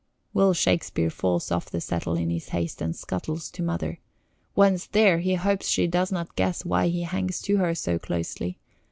Will Shakespeare falls off the settle in his haste and scuttles to Mother. Once there, he hopes she does not guess why he hangs to her so closely.